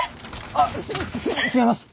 あっ違います！